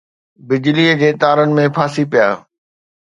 بجلي جي تارن ۾ ڦاسي پيا